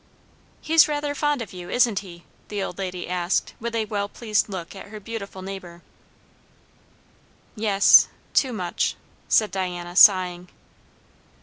"He's rather fond of you, isn't he?" the old lady asked with a well pleased look at her beautiful neighbour. "Yes. Too much," said Diana, sighing.